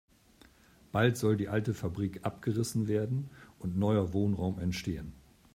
Bald soll die alte Fabrik abgerissen werden und neuer Wohnraum entstehen.